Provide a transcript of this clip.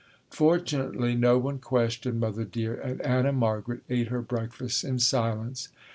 Fortunately no one questioned Mother Dear and Anna Margaret ate her breakfast in silence.